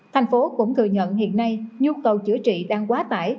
thành phố cũng thừa nhận hiện nay nhu cầu chữa trị đang quá tải